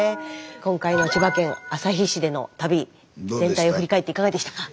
今回の千葉県旭市での旅全体を振り返っていかがでしたか？